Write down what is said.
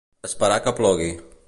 Esperar que plogui.